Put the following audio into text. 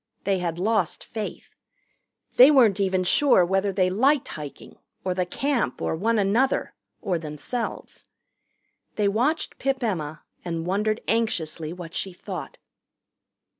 They had lost faith. They weren't even sure whether they liked hiking, or the Camp, or one another, or themselves. They watched Pip Emma and wondered anxiously what she thought.